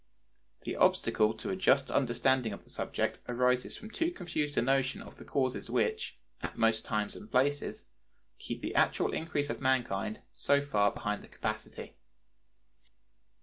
The obstacle to a just understanding of the subject arises from too confused a notion of the causes which, at most times and places, keep the actual increase of mankind so far behind the capacity.